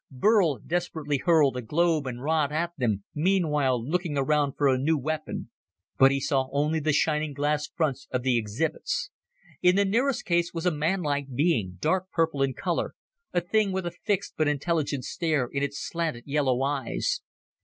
Burl desperately hurled a globe and rod at them, meanwhile looking around for a new weapon, But he saw only the shining glass fronts of the exhibits. In the nearest case was a manlike being, dark purple in color, a thing with a fixed but intelligent stare in its slanted yellow eyes.